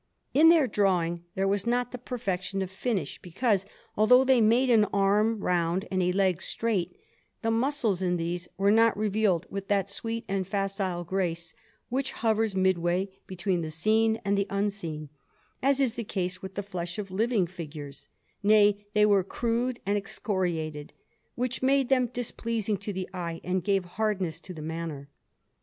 In their drawing there was not the perfection of finish, because, although they made an arm round and a leg straight, the muscles in these were not revealed with that sweet and facile grace which hovers midway between the seen and the unseen, as is the case with the flesh of living figures; nay, they were crude and excoriated, which made them displeasing to the eye and gave hardness to the manner.